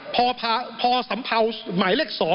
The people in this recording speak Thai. พอสัมเภาหมายเลข๒